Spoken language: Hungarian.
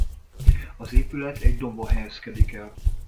Az épület egy dombon helyezkedik el.